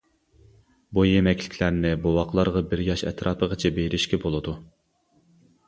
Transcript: بۇ يېمەكلىكلەرنى بوۋاقلارغا بىر ياش ئەتراپىغىچە بېرىشكە بولىدۇ.